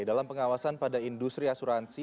dalam pengawasan pada industri asuransi